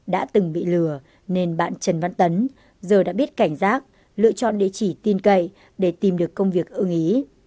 đã từng bị lừa nên bạn trần văn tấn giờ đã biết cảnh giác lựa chọn địa chỉ tin cậy để tìm được công việc ưng ý